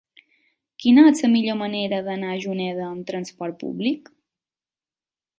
Quina és la millor manera d'anar a Juneda amb trasport públic?